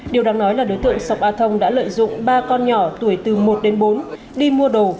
điều đáng nói là đối tượng sông a thông đã lợi dụng ba con nhỏ tuổi từ một đến bốn đi mua đồ